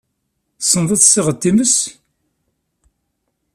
Tessneḍ ad tessiɣeḍ times?